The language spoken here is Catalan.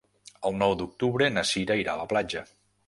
El nou d'octubre na Sira irà a la platja.